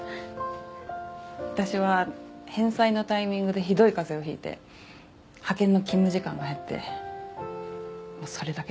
私は返済のタイミングでひどい風邪を引いて派遣の勤務時間も減ってもうそれだけで詰みでした。